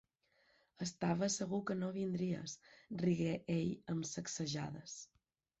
"Estava segur que no vindries," rigué ell amb sacsejades.